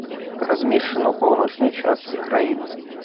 Размешчана ў паўночнай частцы краіны.